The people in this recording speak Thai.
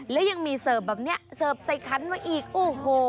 และยังมีเสิร์ฟแบบนี้เสิร์ฟใส่คันมาอีกโอ้โห